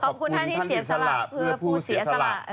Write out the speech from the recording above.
ขอบคุณท่านที่เสียสละเพื่อผู้เสียสละ